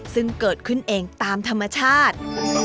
ซึ่งเกิดขึ้นเองตามธรรมชาติ